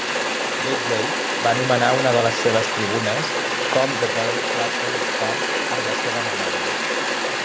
Gateway va anomenar una de les seves tribunes com "The Darrell Russell Stand" en la seva memòria.